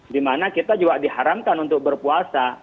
dimana kita juga diharamkan untuk berpuasa